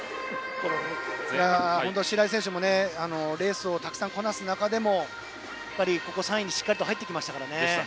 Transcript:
白井選手もレースをたくさんこなす中でもここ３位にしっかり入りました。